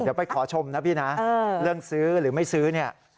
เดี๋ยวไปขอชมนะพี่นะเรื่องซื้อหรือไม่ซื้อเนี่ย